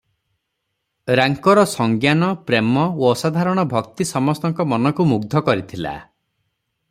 ରାଙ୍କର ସଂଜ୍ଞାନ, ପ୍ରେମ ଓ ଅସାଧାରଣ ଭକ୍ତି ସମସ୍ତଙ୍କ ମନକୁ ମୁଗ୍ଧ କରିଥିଲା ।